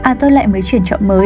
à tôi lại mới chuyển chợ mới